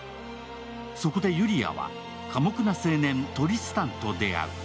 そこでユリアは寡黙な青年・トリスタンと出会う。